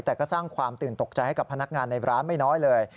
แต่ก็สร้างความตื่นตกใจให้กับพนักงานในร้านไม่น้อยเลย